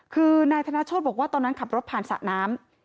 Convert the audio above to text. คือนายธนโชธบอกว่าตอนนั้นขับรถผ่านสระน้ำ